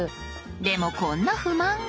でもこんな不満が。